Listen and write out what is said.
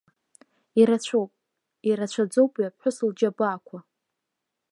Ирацәоуп, ирацәаӡоуп уи аԥҳәыс лџьабаақәа.